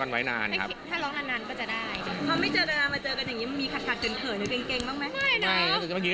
เก็บไปได้มั้ยยังไม่รู้เลย